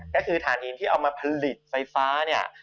ก็คือฐานหินที่เอามาผลิตไฟฟ้าเนี่ย